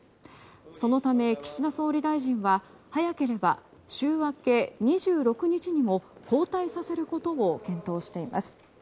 そのため、岸田総理大臣は早ければ週明け２６日にも交代させることを検討しています。